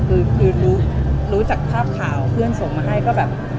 คือรู้จากภาพข่าวเพื่อนส่งมาให้ก็แบบ